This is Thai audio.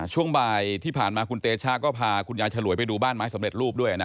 ช่วงบ่ายที่ผ่านมาคุณเตชะก็พาคุณยายฉลวยไปดูบ้านไม้สำเร็จรูปด้วยนะ